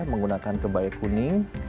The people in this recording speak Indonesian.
menggunakan kebaik kuning